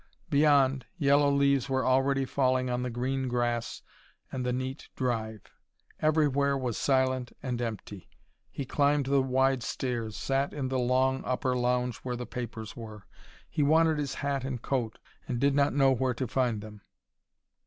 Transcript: Beyond, yellow leaves were already falling on the green grass and the neat drive. Everywhere was silent and empty. He climbed the wide stairs, sat in the long, upper lounge where the papers were. He wanted his hat and coat, and did not know where to find them.